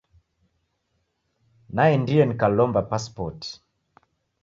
Naendie nikalomba pasipoti.